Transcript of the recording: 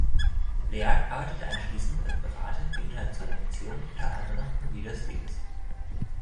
Laird arbeitete anschließend als Berater für internationale Beziehungen unter anderem für Reader’s Digest.